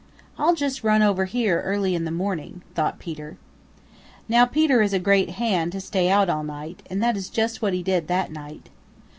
"I'll just run over here early in the morning," thought Peter. Now Peter is a great hand to stay out all night, and that is just what he did that night.